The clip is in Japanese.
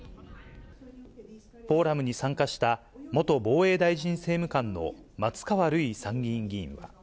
フォーラムに参加した、元防衛大臣政務官の松川るい参議院議員は。